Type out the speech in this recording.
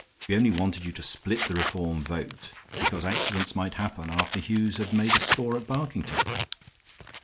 We only wanted you to split the Reform vote because accidents might happen after Hughes had made a score at Barkington."